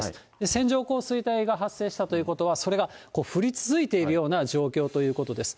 線状降水帯が発生したということは、それが降り続いているような状況ということです。